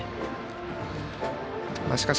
しかし、